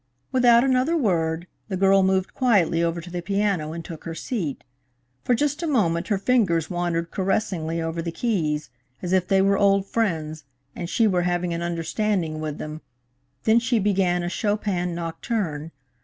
Without another word, the girl moved quietly over to the piano and took her seat. For just a moment her fingers wandered caressingly over the keys, as if they were old friends and she were having an understanding with them, then she began a Chopin Nocturne.